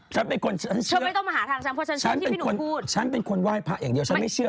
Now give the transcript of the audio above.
ฉันไม่เชื่อเรื่องที่พี่หนูพูด